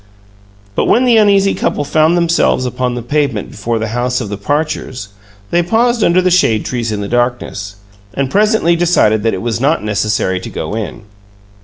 But when the uneasy couple found themselves upon the pavement before the house of the Parchers, they paused under the shade trees in the darkness, and presently decided that it was not necessary to go in.